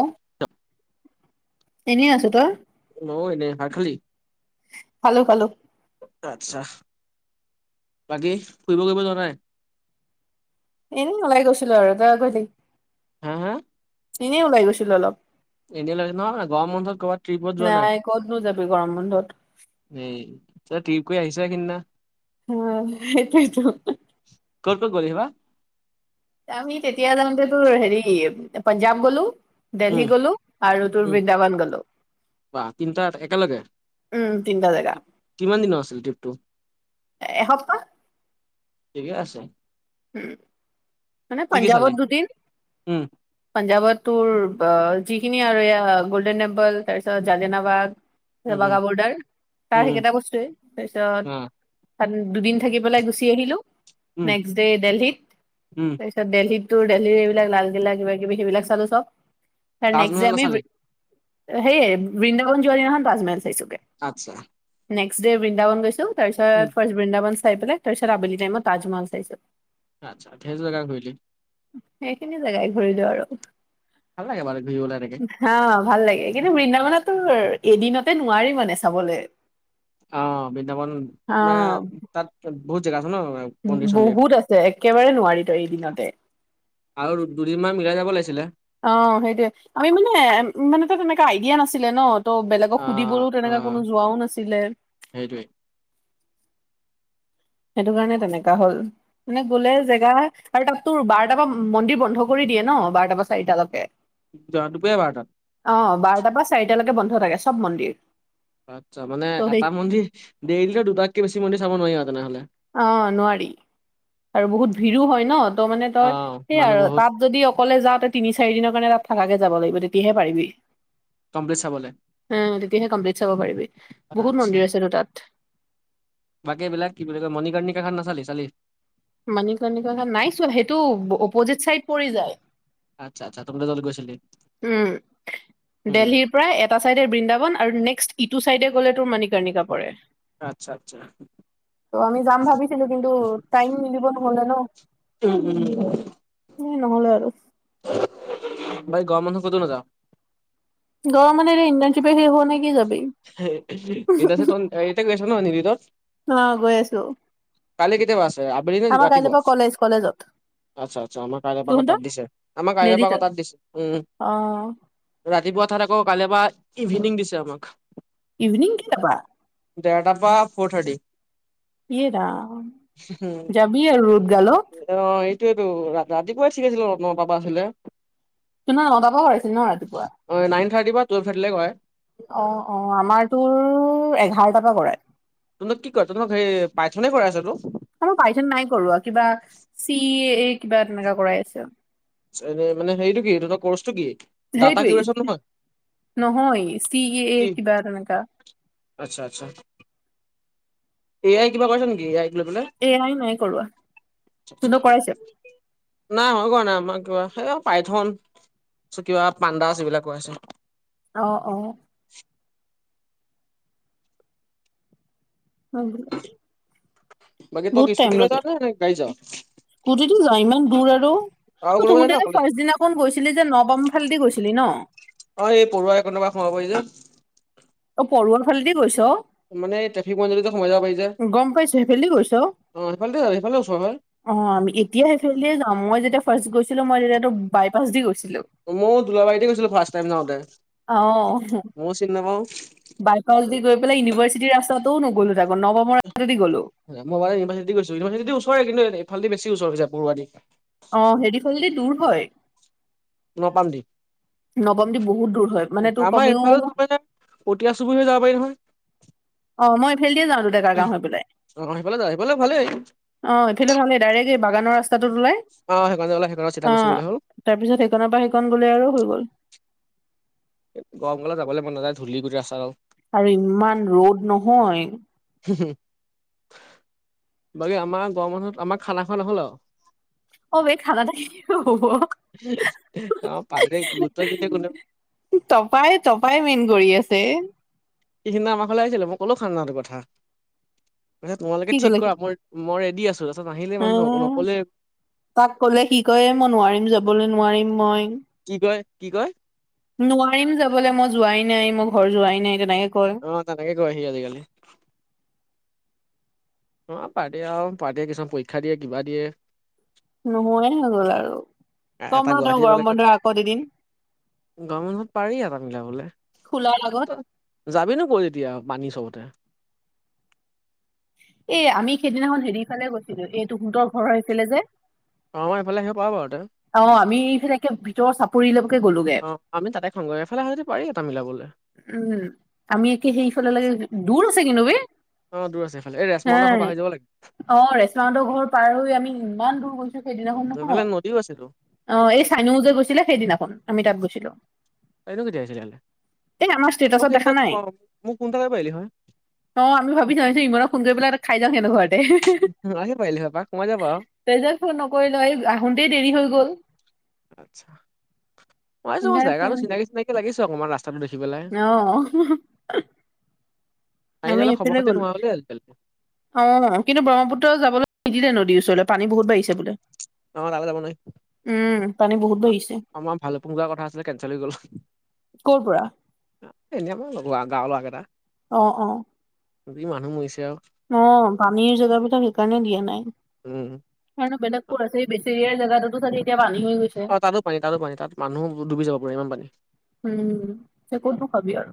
অ', এনেই আছোঁ তই ময়ো এনেই ভাত খালি? খালো খালো। আচ্ছা বাকী ফুৰিব চুৰিব যোৱা নাই এনেই ওলাই গৈছিলো আৰু তাই আগৈটিঙ [unintelligible] হো হো। এনেই ওলাই গৈছিলো অলপ। এনেই ওলাই গৈছ নহয় মানে গৰম বন্ধত কৰ'বাত ট্ৰিপত যোৱা নাই? ক'তনো যাবি গৰম বন্ধত সেই, তই ট্ৰিপ কৰি আহিছহে সিদিনা। সেয়াই, সেইটোৱেটো। ক'ত ক'ত সেইবা? আমি তেতিয়া যাওঁতে তোৰ, হেৰি, পঞ্জাৱ গ'লো। দিল্লী উম গলোঁ আৰু তোৰ উম বৃন্দাবন গলোঁ। বা! তিনিটা একেলগে? উম তিনটা জেগা। কিমান দিনৰ আছিলে ট্ৰিপটো? এসপ্তাহ ঠিকে আছে। উম, মানে কি কি চালি পঞ্জাৱত দুদিন। উম পাঞ্জাৱত তোৰ ব যিখিনি আৰু এয়া গল্ডেন টেম্পল তাপিছতূ জালিয়ানাবাগ উম উম [unintelligible] বৰ্ডাৰ। তাৰ উম উম সেইকেইটা বস্তুৱেই। তাৰপিছত অ তাত দুদিন থাকি পেলাই গুচি আহিলোঁ। উম নেক্সট ডে দিল্লীত। উম তাৰপিছত তাত, দিল্লীত তোৰ, দিল্লীৰ এইবিলাক- লালকিল্লা, কিবা কিবি, সেইবিলাক চালোঁ চব। তাৰ নেক্সট ডে, তাজমহল আমি নাচালি হেৰি, বৃন্দাবন যোৱা দিনাখন তাজমহল চাইছোঁগে। আচ্ছা! নেক্সট ডে, বৃন্দাবন গৈছোঁ। উম তাৰপিছত, ফাৰ্ষ্ট বৃন্দাবন চাই পেলাই, তাৰপিছত আবেলি টাইমত তাজমল চাইছোঁ। আচ্ছা! ধেই জেগা ঘূৰিলি? সেইখিনি জেগাই ঘূৰিলো আৰু। ভাল লাগে বাৰু ঘূৰিবলৈ এনেকে! হা! ভাল লাগে। কিন্তু, বৃন্দাবনত তোৰ, এদিনতে নোৱাৰি মানে চাবলৈ। অ' বৃন্দাবন, মানে, তাত বহুত জেগা আছে ন'? মন্দিৰ চন্দিৰ বহুত আছে! একেবাৰে নোৱাৰি তই এদিনতে। আৰু দুদিনমান মিলাই যাব লাগিছিলে? অ'! সেইটোৱে। আমি মানে, ইমান এটা তেনেকুৱা আইডিয়া নাছিলে ন'। ত' বেলেগক অ', সুধিবলৈ তেনেকা অ', কোনো যোৱাও নাছিলে। সেইটোৱে! সেইটো কাৰণে তেনেকা হ'ল। মানে, গ'লে জেগা আৰু তাত তোৰ, বাৰটাৰ পৰা মন্দিৰ বন্ধ কৰি দিয়ে ন'! বাৰটাৰ পা চাৰিটালৈকে। দুপৰীয়া বাৰটাত? অ'! বাৰটা পৰা চাৰিটালৈকে বন্ধ থাকে চব মন্দিৰ। আচ্ছা! মানে, ত সেই এটা মন্দিৰ দেৰিলৈকে দুটাতকৈ বেছি মন্দিৰ চাব নোৱাৰিম আৰু তেনেহ'লে! অ'! নোৱাৰি আৰু বহুত ভিৰো হয় ন'! ত' মানে, তই, অ', হেই মানুহ আৰু বহুত তাত যদি অকলে যাওঁ? তই, তিনি, চাৰি দিনৰ কাৰণে তাত থাকাকে যাব লাগিব। তেতিয়াহে পাৰিবি? কমপ্লিট চাবলে অ'! তেতিয়াহে কমপ্লিট চাব পাৰিবি। বহুত আচ্ছা মন্দিৰ আছেতো তাত। বাকী এইবিলাক, কি বুলি কয়? মণিকৰ্নিকা খন নাচালি, চালি? মানিকাৰ্নিকা খন, নাই চোৱা! সেইটো অপজিত চাইড পৰি যায়। আচ্ছ! আচ্ছা! তহঁতি তালৈ গৈছিলি? উম! উম দিল্লীৰ পৰা এটা চাইডে, বৃন্দাবন আৰু নেক্সট ইটো চাইডে গ'লে, তোৰ মণিকাৰ্নিকা পৰে। আচ্ছা! আচ্ছা! ত' আমি যাম ভাবিছিলোঁ! কিন্তু, টাইম মিলিব নহ'লে ন'। উম, উম। এ, নহ'লে আৰু। [unintelligible] ভাই গৰম বন্ধত ক'তো নেযাওঁ? গৰম মানে, ইণ্টাৰ্নছিপে শেষ হোৱা নাই। কি যাবি? [unintelligible] ইন্টাৰ্নছিপ তহঁত হৰিয়ে গৈ আছ ন'? [unintelligible] অ'! গৈ আছোঁ। কালি কেতিয়া পৰা আছে? আবেলি নে ৰাতিপুৱা? পৰা কলেজ কলেজত আচ্ছা, আচ্ছা। আমাৰ কাইলৈ পা ক' তহঁতৰ তাত দিছে, আমাৰ কাইলৈ নেদি পা তই ক' তাত দিছে। উম! অ'! ৰাতিপুৱা তাত আকৌ, কাইলৈৰ পৰা ইভিনিং দিছে আমাক। ইভিনিং কেইটা পা? ডেৰটা পৰা, ফ'ৰ থাৰ্টি। ইয়ে ৰাম! উম, যাবি আৰু ৰ'দ গালত। অ'! এইটোৱেটো, ৰাতিপুৱাই [unintelligible] নটা পৰা আছিলে। সিদিনা নতা পৰা [unintelligible] ন ৰাতিপুৱা? অ', নাইন থাৰ্টি পৰা টুৱেলভ থাৰ্টি লৈ কৰাই। অ'! অ'! আমাৰ তোৰ, এঘাৰটা পৰা কৰায়। তহঁতক কি কয়? তহঁতক হে পাইথনে কৰাই আছেতো? আমাক পাই থন নাই কৰোৱা। কিবা চি এ এ কিবা তেনেকা কৰাই আছে। এনে মানে হেৰিটো কি, তহঁতৰ কৰ্চটো কি? ডাটা সেইটোৱেই। কিউৰেচন নহয় নহয় চি এ এ কি কিবা তেনেকা। আচ্ছা- আচ্ছা। এ আই কিবা কৰিছে নেকি? এ আই লৈ পেলাই? এ আই নাই কৰোৱা। যোনটো কৰাইছে নাই আমাকো কৰাৱা নাই, আমাক কিবা সেইয়া পাইথন চ কিবা পাণ্ডাছ এইবিলাক কৰাইছে। অ', অ'। বহুত টাইম লাগে। [unintelligible] গাই যাওঁ। কুটিটো যাওঁ, ইমান দূৰ আৰু। আৰু অ', কোনোবা যায় নে তুহঁতে যে অকলে যাৱ? ফাৰ্ষ্ট দিনাখন গৈছিলি যে ন'বাম ফালেদি গৈছিলি ন? অ', এই পৰুৱা এইকনৰ পৰা সোমাব পৰি যে। অ', পৰুৱাৰ ফালেদি গৈছ? মানে এই ট্ৰেফিক পইন্ট দি সমাই যাব পাৰি যে। গম পাইছো সেইফালেদি গৈছ সেইফালে দি সেইফালেও দি ওচৰ হয়্। অ', আমি এতিয়া সেইফালে যাওঁ। মই যেতিয়া ফাৰ্ষ্ট গৈছিলোঁ মই তেতিয়ো বাইপাছ দি গৈছিলোঁ। ময়ো দুলাৰীতে গৈছিলোঁ ফাৰ্ষ্ট টাইম যাওঁতে। অ'। ময়ো চিনি নাপাওঁ। বাইপাছ দি গৈ পেলাই ইউনিভাৰৰ্চিটিৰ ৰাস্তাও নগ'লোঁ তাকো, নৱমৰ ৰাস্তা দি গ'লোঁ। মই বাৰু ইউনিভাৰ্চি দি গৈছোঁ। ইউনিভাৰ্চিটি দি ওচৰে কিন্তু এইফলে দি বেছি ওচৰ হৈ জাই পৰুৱা দি। অ', হেৰিফলদি দূৰ হয়। ন'পাম দি। ন'ৱম দি বহুত দূৰ হয় মানে তোৰ আমাৰ কমেও এইফালে যাব পাৰে পতিয়া চুবুৰি হৈ যাব পাৰি নহয়। অ', মই ইফেল দিয়ে যাওঁতো ডেকা গাওঁ হৈ পেলাই। অ সেইফালে যায়, সেইফালে ভালেই অ', এইফালে ভালেই দাৰেক্ এই বাগানৰ ৰাস্তাটোত ওলাই। অ', হেইকনতে ওলাই হেইকনত চিধা গুচি গ'লে হল। তাৰপিছত সেইকনৰ পৰা সেইকণ গ'লে আৰু হৈ গ'ল। গৰম কালত যাবলৈ মন নাযায় ধূলি গোটেই ৰাস্তাডাল। আৰু ইমান ৰ'দ নহয়। হুম। বাকী আমাৰ গৰম বন্ধত আমাৰ খানা খোৱা নহ'ল আৰু। অ বে খানা এটা কি হ'ব আমাৰ পাৰ্টিয়ে গুৰুত্ব নিদিয়ে কোনেও। তপাই-তপাই মেইন কৰি আছে। সিদিনা আমাৰ ঘৰলে আহিছিলে, মই কলোঁ খানাটো কথা। কৈছে তোমালোকে কি ঠিক ক'লে সি কৰা মই-মই ৰেডি আছোঁ। তাৰপাছত নাহিলে অ মানুহ নকলে তাক কলে সি কয়ে মই নোৱাৰিম যাবলৈ নোৱাৰিম মই। কি কয়, কি কয়? নোৱাৰিম যাবলৈ, মই যোৱাই নাই, মই ঘৰ যোৱাই নাই তেনেকে কয়। অ', তেনেকে কয় সি আজিকালি। অ', পাৰ্টিয়ে আৰু পাৰ্টীয়ে কিছুমান পৰীক্ষা দিয়ে কিবা দিয়ে। নোহোৱাই হৈ গ'ল আৰু। কম এটা ৰ তাক গুৱাহাটী গৰম পালেগৈ বন্ধত আকৌ এদিন। গৰম বন্ধত পাৰি এটা মিলাবলে। খোলাৰ আগত ত যাবি নো ক'ত এতিয়া, পানী চবতে? এ আমি সেইদিনাখন হেৰিফালে গৈছিলোঁ, এই তহঁতৰ ঘৰৰ হৈছিলে যে। আমাৰ এইফালে আহিব পাৰ বাৰু তই। অ', আমি এইফালে একে ভিতৰ চাপৰিলৈকে গ'লোঁগে। অ আমি তাতে খাওঁগৈ, এইফালে হলে যদি পাৰি এটা মিলাবলৈ। উম আমি একে সেইফালে লে দূৰ আছে কিন্তু বে? অ দূৰ আছে এইফালে এই হে ৰেচমাহতৰ ঘৰ পাৰ হৈ যাব লাগিব। অ', ৰেশ্মা হঁতৰ ঘৰ পাৰ হৈ আমি ইমান দূৰ গৈছোঁ সেইদিনাখন নহয়। শিও আছে তো। অ এই চাইনও যে গৈছিলে সেইদিনাখন আমি তাত গৈছিলো। তাইনো কেতিয়া আহিছিলে ইয়ালে? এই আমাৰ অ ষ্টেটাচত তই দেখা নাই মোক ফোন এটা কৰিব পাৰিলি হয়? অ আমি ভাবি এই ইমান সোন কৰি পিলাই খাই যাওঁ সেনেক ঘৰতে হেহে। উম আহি পাৰিলি বাপাক কমই যাবা। তই যে ফোন নকৰিলে এই আহোতেই দেৰি হৈ গল। আচ্ছা, পাইযাব সেইকাৰণে জেগাটো চিনাকি -চিনাকি লাগিছে অকণমান ৰাস্তাটো দেখি পেলাই। অ অ হুহু। সেইকাৰণে এইফালে খবৰ- খাতি গ'লো লোৱা হলে হয় চুন। অ কিন্তু ব্ৰহ্মপুত্ৰ যাবলৈ নিদিলে নদীৰ ওচৰলৈ পানী বহুত বাঢ়িছে বোলে। নালো পান [inaudible] উম, পানী বহুত অ বাঢ়িছে আমাৰ ভালোকপুং যোৱা কথা আছিলে কেনচেল হৈ গ'ল। ক'ৰ পৰা এনেও লগ গাঁও গাঁওৰল'ৰা কেইটা। অ অ। দুদিন মানুহ মৰিছে আৰু। অ পানীৰ জেগাবিলাক সেইকাৰণে দিয়া নাই। উম হেনো বেলেগ ক'ত আছে বেছেৰি জেগাতো এতিয়া পানী হৈ গৈছে। অ তাতো পানী তাতো পানী তাত মানুহ ডুবি যাব পাৰে ইমান পানী। উম তে ক'তো খাবি আৰু?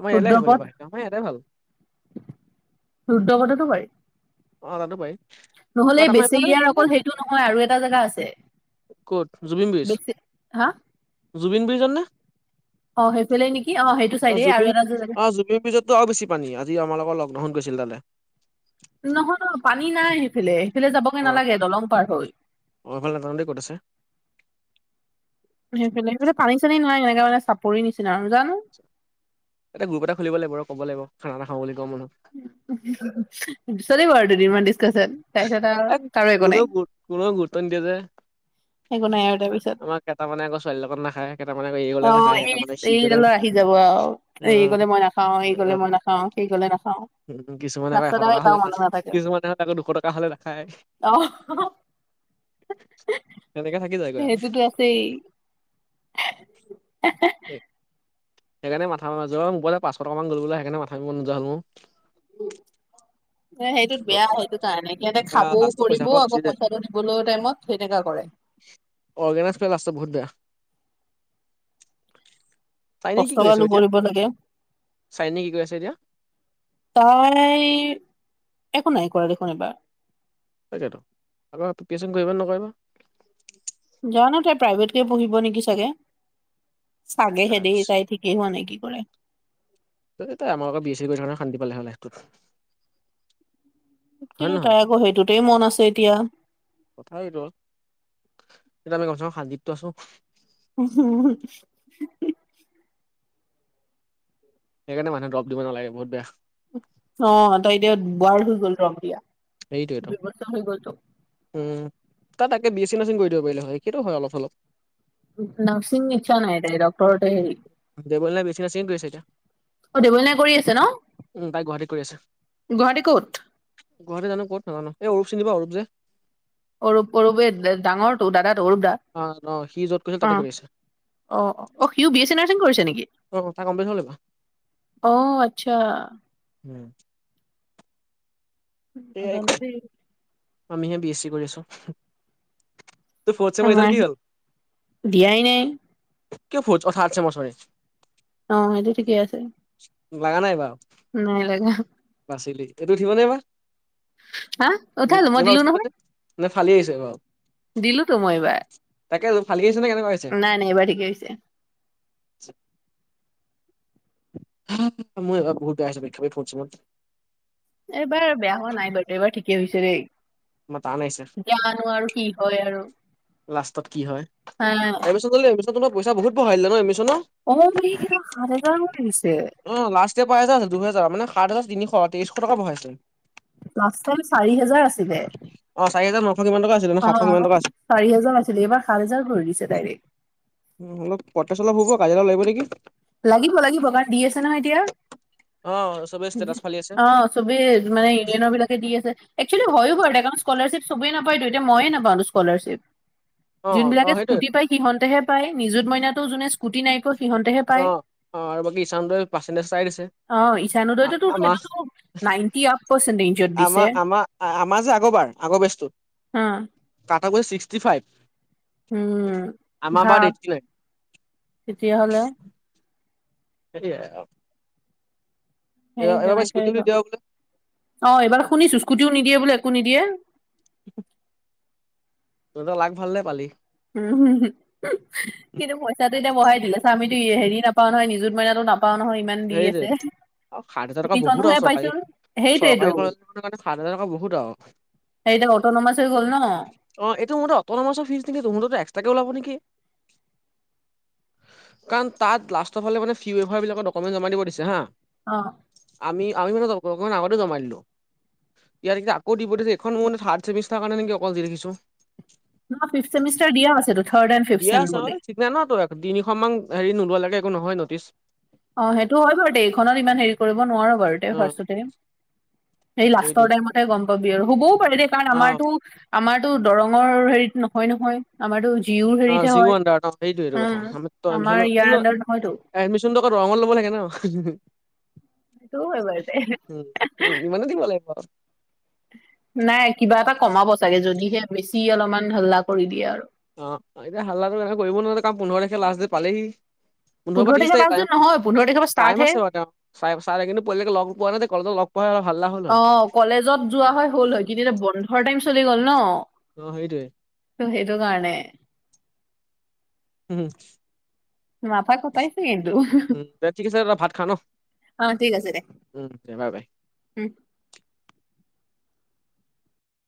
আমাৰ ইয়ালে আহিব লাগিব, আমাৰ ইয়ালে ভাল। দুদ্ধ কটোটো বাৰি। অ তাতো পাৰি। নহলে বাট এই আমাৰ বেচে এইফালে ইয়াৰ ভালে অকল সেইটো নহয় আৰু এটা জেগা আছে? ক'ত জুবিন বিজ, বেচে হা জুবিন ব্ৰিজৰ নে? অ' সেইফালে নেকি সেইটো অ চাইডে আৰু জুবিন, এটা যে জেগা অ জুবিন ব্ৰিজত তো আৰু বেছি পানী আজি আমাৰ লগত লগডাউন গৈছিল তালে। নহয় ন পানী নাই সেইফালে, সেইফালে যাবগে নালাগে দলং পাৰ হৈ। অঁ সেইফালে নাজানো দেই ক'ত আছে। সেইফালে পানী-চানী নাই এনেকা মানে চাপৰি নিচিনা আৰু জানো। আচ্ছা, এটা গ্ৰুপ এটা খুলিব লাগিব ৰ ক'ব লাগিব, খানা এটা খাওঁ বুলি গৰম বন্ধত। উ হুহুহু চলিব দুদিনমান ডিছকাচন। হা এ কোনেও কোনেও গুৰুত্ব নিদিয়া যে? একো নাই তাৰপিছত আমাৰ কেইটামানে আকৌ ছোৱালী লগত নাখায় কেইটামানে আকৌ এৰি গলে নাখায়। সেইচ, কেইটামানে সি গ'লে এইডালে আহি নাখায়। যাব আৰু এই অ', গলে মই নাখাওঁ, এই গলে মই নাখাওঁ, সেই গলে নাখাওঁ। উম কিছুমান আকৌ এশ টকা হলে না কিছুমান হলে আকৌ দুশ টকা হ লে নাখায়, অ তেনেকে থাকি যায়। সেইটোতো আছেই এহ। সে সেইকাৰণে মাথা মাৰি জন পাঁচশ টকা মান গ'লে সেইকাৰণে মাথা মাৰিব নোযোৱা হ'ল মোৰ। উম অ। এ সেইটোত বেয়া সেইটো কাৰণে সিহঁতে আহ খাবও, লাষ্টত পইচা কৰিবও সোপা গুচি আকৌ যায়। পইচাটো দিবলৈও টাইমত সেনেকা কৰে। অৰ্গেনাইজ কৰিলে লাষ্টত বহুত বেয়া। তাকে কষ্ট কি কৰি আছ গালো এতিয়া? কৰিব লাগে চাইনি কি কৰি আছে এতিয়া? তই একো নাই কৰা দেখোন এইবাৰ। তাকেতো আকৌ প্ৰিপিয়েশ্যন কৰিব নে নকৰিব? জানো তাই প্ৰাইভেটকে পঢ়িব নেকি চাগে? চাগেহে দেই, আচ্ছা। তাই ঠি সি মানে কি কৰে? তহ তাই আমাৰ লগত বি চি কৰি থকা হলে শান্তি পালে হলে লাইফটোত। হয় নে কিন্তু নহয়? তাই আক সেইটোতেই মন আছে এতিয়া। কথা এইটো এতিয়া আমি গমছ হানগিতটো আছো। হু হু হু। সেইকাৰণে মানুহে ডব দিব নালাগে বহুত বেয়া। অ তই এতিয়া বোৱাৰ হৈ গল ৰং দিয়া। সেইতোৱেটো। দুই বছৰ হৈ গ'লতো উম, তাত তাকে বি এছ চি নাৰ্চিং কৰি দিব পাৰিলে হয়। সেইটো হয়। অলপ অলপ নাৰ্চিং ইচ্ছা নাই। তাইৰ, ডক্টৰত হে হেৰি দেবলিনাই বিজনেছিং কৰিছে এতিয়া অ দেৱলিনাই কৰি আছে নহ, উম তাই গুৱাহাটীত কৰি আছে। গুৱাহাটীৰ কত? গুৱাহাটী জানো কত নাজানো। এই অৰূপ চিনি পাৱ অৰূপ যে অৰূপ, অৰূপে দে ডাঙৰটো দাদাটো অৰূপ দা। অহ অহ, সি যত কৰি আছে, অ তাতে কৰি আছোঁ। অ, অ সিও বি এছ চি নাৰ্চিং কৰিছে নেকি? অ' তাৰ কমপ্লিট হ'ল এইবাৰ। অ আচ্ছা। [inaudible] এয়াই ক, নাজানো দেই আমিহে বি এছ চি কৰি আছোঁ। তোৰ ফৰ্থছেমৰ আমাৰ ৰিজাল্ট কি হল? দিয়াই নাই কিয় ফৰ্থ অ থাৰ্ড ছেম, চৰি অ সেইটো ঠিকেই আছে। লাগা নাই বাও। নাই লাগা হা উহ, উঠালো মই এইবাৰ দিলো উচৰত নে? নে ফালি আহিছে এইবাৰো দিলোটো মই এইবাৰ। ফালি আহিছে নে কেনেকুৱা আহিছে নাই নাই এইবাৰ ঠিকেই হৈছে। মোৰ এইবাৰ বহুত বেয়া হৈছে। পৰীক্ষা বে ফৰ্থ ছেমত। এইবাৰ বেয়া হোৱা নাই বাৰু, এইবাৰ ঠিকেই হৈছে দেই। আমাৰ টান আহিছে। জানো আৰু কি হয় আৰু লাষ্টত কি হয়। হা এডমিচন ললে এডমিচন লোৱা পইচা বহুত বঢ়াই দিলে নহ এডমিচনৰ অ এইবেলি যে সাত হাজাৰ লৈ লৈছে। অ, লাষ্ট ইয়েৰ পৰা এহেজাৰ আছিল। দুহেজাৰ, মানে সাত হাজাৰ তিনিশ, তেইশ টকা বঢ়াইছে। লাষ্ট টাইম চাৰি হেজাৰ আছিলে। অ চাৰি হেজাৰ ন অহ, চাৰি হাজাৰ আছিলে। এইবাৰ সাত হেজাৰ কৰি দিছে ডাইৰেক্ট। উম, অলপ প্ৰতেষ্ট অলপ হব। কাজিয়া অলপ লাগিব নেকি লাগিব লাগিব। কাৰণ দি আছে নহয় এতিয়া, অ চবে ষ্টেটাছ ফালি আছে ‌ অহ চবেই মানে ইউনিয়নৰ বিলাকে দি আছে। একচুৱেলি হয়ো হয়। মানে স্কলাৰশ্বিপ চবেই নাপায়টো, এতিয়া মইয়ে নাপালো স্কলাৰশ্বিপ। অ অ যোনবিলাকে সেইটোৱে স্কুটি পায় সিহঁতেহে পায়। নিযুত মইনাটো যোনে স্কুটি নাইপোৱা অ অ আৰু বাকী ইচান, উদয় পাৰ্চেণ্টিজ চাই দিছে। অ ইচান, উদয়তোটো আমাৰ সেইতোটো নাইনটি আপ পাৰ্চেণ্টজত দিছে। আমাৰ আমাৰ আমাৰ যে আগৰবাৰ, আগৰ বেজটোত আ তাত গুড়ি ছিক্সটি ফাইভ। উম, আমাৰ বাৰত ভাৱ এইটটি নাইন তেতিয়া হলে সেইটোৱে আও। সেই পৰা তেনেকাই স্কুটি বুলি হয়। দিয়া বোলে অ এইবাৰ শুনিছো, স্কুটিও নিদিয়ে বোলে, একো নিদিয়ে [inaudible] তহঁতৰ লাক ভাল দেই পালি। উম কিন্তু পইচাটো এতিয়া বঢ়াই দিলে ছাহ আমিতো হেৰি নাপাওঁ নহয় নিজুত মাইনাটো না পাওঁ নহয় ইমান দি সেইটোৱে আছে আৰু সাত হাজাৰ টকা স্কুটিখনহে পাইছো সেইটোৱেতো সেইটো কাৰণে সাত হাজাৰ টকা বহুত আও হে এতিয়া, অট নমাই থৈ গল নহ অ এইটো মোৰ মতে অট নমাছৰ ফিছখিনি মুঠতে এক্সট্ৰাকে উলাব নেকি কাৰণ তাত লাষ্টফালে মানে ফিৱেভাৰ বিলাকত ডকুমেণ্ট জমা দিব দিছে হাঁ। অঁ। আমি আমি মানে ডকু ডকুমেণ্ট আগতে জমা দিলোঁ। ইয়াত একেটা দেখিছা আকৌ দিব দিছে এইখন মোৰ মানে থাৰ্ড ছেমিষ্টাৰ কাৰণে নেকি অকল? যি দেখিছোঁ। ন' ফিফ ছেমিষ্টাৰ দিয়া আছেটো থাৰ্ড এণ্ড ফিফছেম বুলি। জান তই এক তিনিখন মান হেৰি নোলোৱা লৈকে একো নহয় নটিচ। অহ সেইটো হয় বাৰু দে এইখনত ইমান হেৰি কৰিব নোৱাৰো বাৰু তে অ ফাৰ্ষ্ট তে এই সেইটোৱে লাষ্টৰ টাইমতহে গম পাবি আৰু হ'বও পাৰে দেই কাৰণ অ আমাৰতো আমাৰতো দৰঙৰ হেৰিত নহয় নহয় আমাৰতো জিউও অ হেৰিতহে জিঅ' হয় আণ্ডাৰত অ সেইটোৱে সেইটো কথা উম আমাৰ ইয়াৰ আন্ডাৰ নহয়তো এডমিশ্যনটো আকৌ দৰঙত ল'ব লাগে ন হু হু সেইটো হয় বাৰু দে উম ইমানে দিব লাগিব নাই কিবা এটা কমাব চাগে যদিহে বেছি অলপমান হল্লা কৰি দিয়ে আৰু অহ এতিয়া হাল্লাটো এনে কৰিব নোৱাৰো কাম পোন্ধৰ তাৰিখে লষ্ট পালেহি পোন্ধৰ পৰা ত্ৰিশ তাৰিখে লাষ্ট ডেট টাইম নহয় পোন্ধৰ তাৰিখৰ পৰা টাইম ষ্টাৰ্টহে আছে বাৰু তেওঁ ছাই ছাৰে কিন্তু পলিলেকে লগ পোৱা নাই তে কলেজত লগ পোৱা হ'লে হাল্লা হ'ল অ হয় [unintelligible] কলেজত যোৱা হয় হ'ল হয় কিন্তু এতিয়া বন্ধৰ টাইম চলি গ'ল ন অহ সেইটোৱেই তো সেইকাৰণে উম মাঠা খটাইছে কিন্তু উম দে ঠিক আছে দাদা ভাত খা ন অহ ঠিক আছে দে উম দে বাই বাই উম